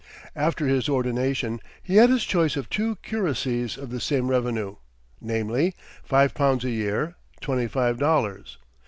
After his ordination, he had his choice of two curacies of the same revenue, namely, five pounds a year twenty five dollars.